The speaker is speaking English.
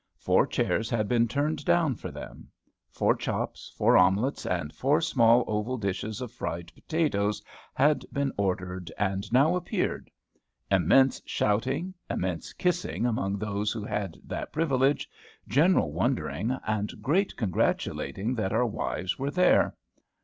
Four chairs had been turned down for them. Four chops, four omelettes, and four small oval dishes of fried potatoes had been ordered, and now appeared. Immense shouting, immense kissing among those who had that privilege, general wondering, and great congratulating that our wives were there.